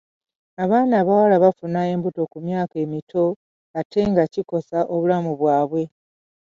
Abaana abawala bafuna embuto ku myaka emito ate nga kikosa obulamu bwabwe.